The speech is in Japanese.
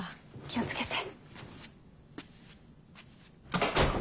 気を付けて。